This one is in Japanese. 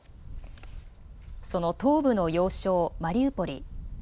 その東部の要衝マリウポリ。